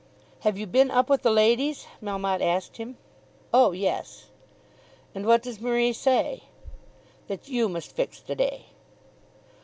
"Have you been up with the ladies?" Melmotte asked him. "Oh yes." "And what does Marie say?" "That you must fix the day."